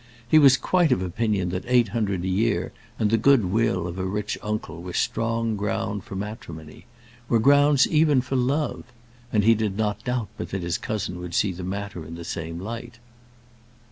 He was quite of opinion that eight hundred a year and the good will of a rich uncle were strong grounds for matrimony, were grounds even for love; and he did not doubt but his cousin would see the matter in the same light.